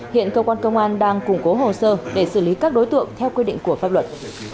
hiện cơ quan công an đang củng cố hồ sơ để xử lý các đối tượng theo quy định của pháp luật